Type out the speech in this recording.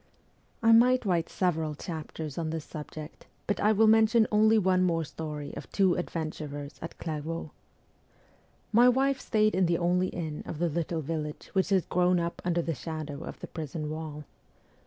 I might write several chapters on this subject but I will mention only one more story of two adventurers at Clairvaux. My wife stayed in the only inn of the little village which has grown up under the shadow of the prison wall.